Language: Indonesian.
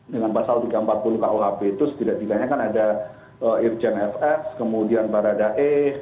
dengan pasal tiga ratus empat puluh kuhp itu setidak tidaknya kan ada irjen fs kemudian baradae